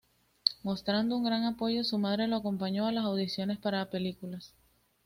Mostrando un gran apoyo, su madre lo acompañó a las audiciones para películas.